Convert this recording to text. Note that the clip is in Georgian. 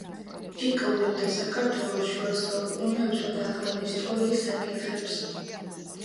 იკვლევდა საქართველოს შუა საუკუნეებსა და ახალი ისტორიის საკითხებს.